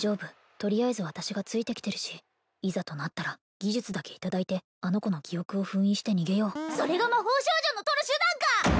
とりあえず私がついてきてるしいざとなったら技術だけ頂いてあの子の記憶を封印して逃げようそれが魔法少女のとる手段か！